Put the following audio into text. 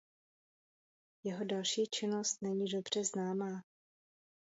Jeho další činnost není dobře známá.